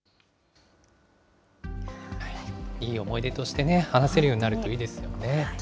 いい思い出として話せるようになるといいですよね。